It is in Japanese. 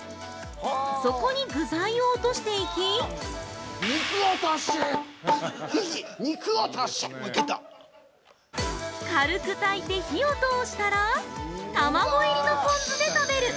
そこに、具材を落としていき◆軽く炊いて火を通したら卵入りのポン酢で食べる！